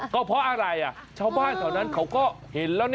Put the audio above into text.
ก็เพราะอะไรชาวบ้านแถวนั้นเขาก็เห็นแล้วนะ